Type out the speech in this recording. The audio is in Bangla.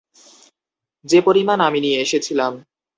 যে পরিমাণ আমি নিয়ে এসেছিলাম।